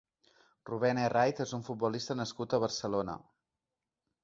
Rubén Herráiz és un futbolista nascut a Barcelona.